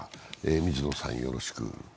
水野さん、よろしく。